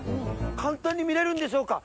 簡単に見れるんでしょうか？